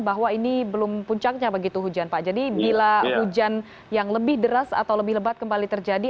bahwa ini belum puncaknya begitu hujan pak jadi bila hujan yang lebih deras atau lebih lebat kembali terjadi